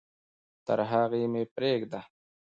تر هغې مه پرېږده.